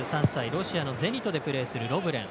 ロシアのゼニトでプレーするロブレン。